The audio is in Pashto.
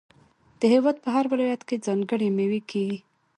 د هیواد په هر ولایت کې ځانګړې میوې کیږي.